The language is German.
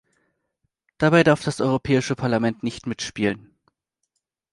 Dabei darf das Europäische Parlament nicht mitspielen.